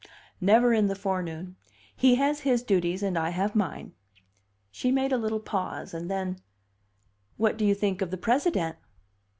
"Never in the forenoon. He has his duties and I have mine." She made a little pause, and then, "What do you think of the President?"